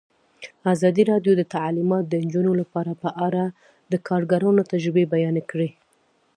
ازادي راډیو د تعلیمات د نجونو لپاره په اړه د کارګرانو تجربې بیان کړي.